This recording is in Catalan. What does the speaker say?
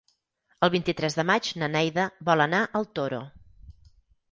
El vint-i-tres de maig na Neida vol anar al Toro.